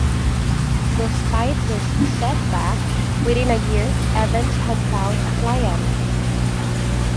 Despite this setback, within a year Evans had found a client.